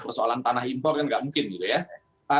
persoalan tanah impor kan nggak mungkin gitu ya